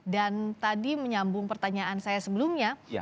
dan tadi menyambung pertanyaan saya sebelumnya